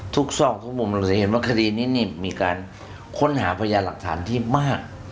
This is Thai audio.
ซอกทุกมุมเราจะเห็นว่าคดีนี้นี่มีการค้นหาพยานหลักฐานที่มาก